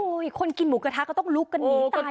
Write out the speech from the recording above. โอ้ยคนกินหมูกระทะก็ต้องลุกกันนี้ตายกลัว